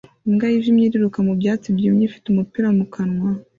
Imbwa yijimye iriruka mu byatsi byumye ifite umupira mu kanwa